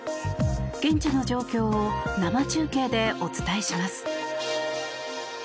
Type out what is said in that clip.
現地の状況を生中継でお伝えします。